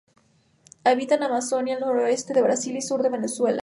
Habita en la Amazonia al noreste de Brasil y sur de Venezuela.